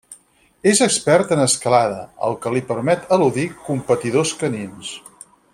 És expert en escalada, el que li permet eludir competidors canins.